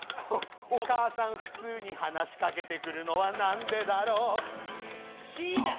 「お母さん普通に話しかけてくるのはなんでだろう」「しっ」。